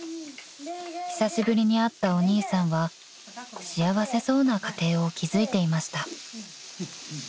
［久しぶりに会ったお兄さんは幸せそうな家庭を築いていました］